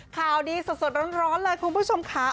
ข่าวดีสดร้อนเลยคุณผู้ชมค่ะ